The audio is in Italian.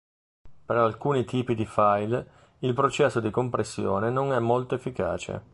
Per alcuni tipi di file il processo di compressione non è molto efficace.